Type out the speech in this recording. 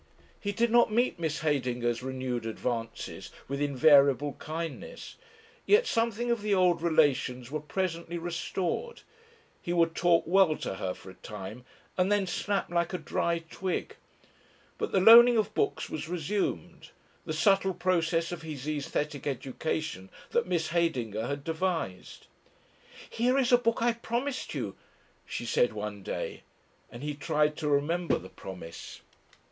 He did not meet Miss Heydinger's renewed advances with invariable kindness. Yet something of the old relations were presently restored. He would talk well to her for a time, and then snap like a dry twig. But the loaning of books was resumed, the subtle process of his aesthetic education that Miss Heydinger had devised. "Here is a book I promised you," she said one day, and he tried to remember the promise.